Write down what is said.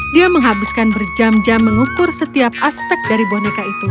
dia menghabiskan berjam jam mengukur setiap aspek dari boneka itu